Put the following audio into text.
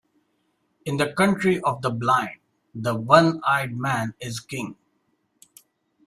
In the country of the blind, the one-eyed man is king.